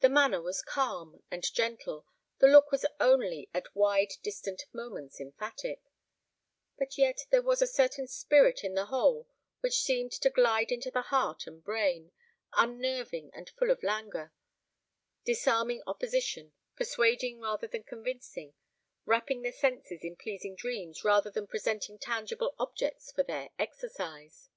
The manner was calm and gentle, the look was only at wide distant moments emphatic; but yet there was a certain spirit in the whole which seemed to glide into the heart and brain, unnerving and full of languor, disarming opposition, persuading rather than convincing, wrapping the senses in pleasing dreams rather than presenting tangible objects for their exercise.